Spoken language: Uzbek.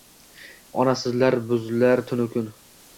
Onasizlar buzlar tunu-kun